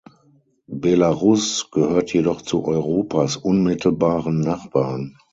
Belarus gehört jedoch zu Europas unmittelbaren Nachbarn.